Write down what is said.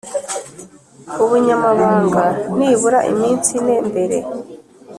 Ubunyamabanga nibura iminsi ine mbere